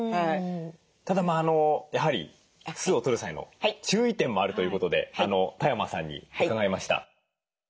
ただやはり酢をとる際の注意点もあるということで多山さんに伺いました。